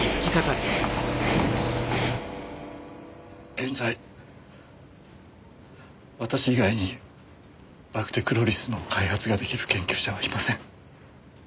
現在私以外にバクテクロリスの開発ができる研究者はいません。